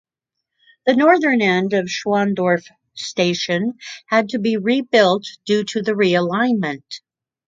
The northern end of Schwandorf station had to be rebuilt due to the realignment.